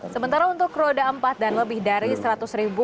sementara untuk roda empat dan lebih